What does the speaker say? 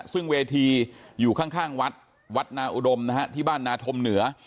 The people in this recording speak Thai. ซึ่งเวทีอยู่ข้างวัดวัดนาอุดมนะฮะที่บ้านนาธมเหนือ